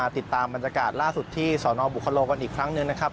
ติดตามบรรยากาศล่าสุดที่สนบุคโลกันอีกครั้งหนึ่งนะครับ